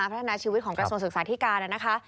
พัฒนาชีวิตของกระทรวงศึกษาธิการนะคะ